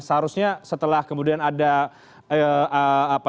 seharusnya setelah kemudian ada